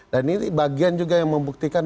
dan ini bagian juga yang membuktikan